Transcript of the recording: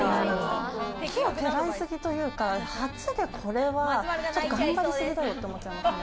奇をてらいすぎというか、初でこれはちょっと頑張りすぎだよって思っちゃいますね。